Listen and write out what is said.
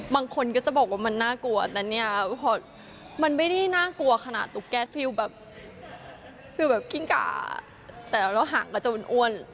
บางคนก็จะบอกว่ามันน่ากลัวแต่จะเปลี่ยนเวลาอย่างนี้